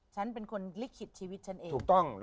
ฉันเป็นคนลิขิตชีวิตฉันเอง